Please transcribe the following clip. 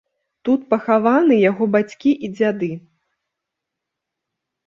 Тут пахаваны яго бацькі і дзяды.